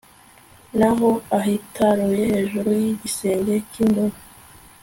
naho ahitaruye hejuru y'igisenge cy'ingoro